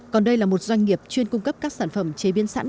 còn đây là một doanh nghiệp chuyên cung cấp các sản phẩm chế biến sẵn